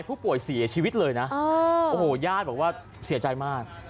ผู้เสียชีวิตเลยนะโอ้โหญาติบอกว่าเสียใจมาก